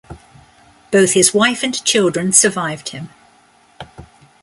Both his wife and children survived him.